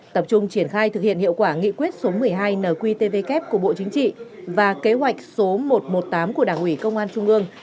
tập trung triển khai thực hiện hiệu quả nghị quyết số một mươi hai nqtvk của bộ chính trị và kế hoạch số một trăm một mươi tám của đảng ủy công an trung ương